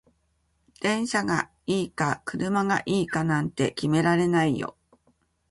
電車がいいか車がいいかなんて決められないよ